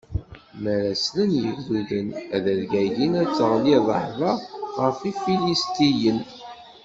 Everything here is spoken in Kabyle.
Mi ara slen yegduden, ad rgagin, ad d-teɣli rrehba ɣef Ifilistiyen.